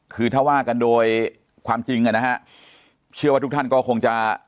คือถ้าว่ากันโดยความจริงอ่ะนะฮะเชื่อว่าทุกท่านก็คงจะ